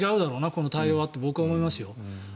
この対応はと、僕は思いますよ。